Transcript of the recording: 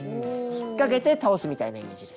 引っ掛けて倒すみたいなイメージです。